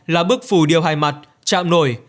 là bức phù điêu hai mặt chạm nổi